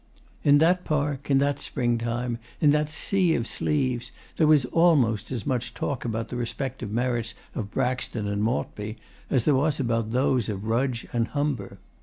In that Park, in that spring time, in that sea of sleeves, there was almost as much talk about the respective merits of Braxton and Maltby as there was about those of Rudge and Humber.